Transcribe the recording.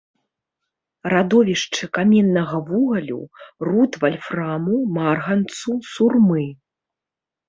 Радовішчы каменнага вугалю, руд вальфраму, марганцу, сурмы.